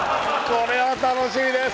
これは楽しみです！